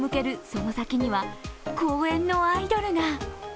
その先には、公園のアイドルが。